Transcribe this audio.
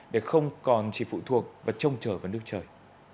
để không còn chỉ phụ thuộc và trông trở vào nước trời